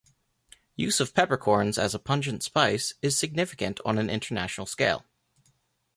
Use of peppercorns as pungent spice is significant on an international scale.